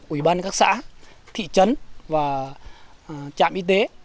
ủy ban các xã thị trấn và trạm y tế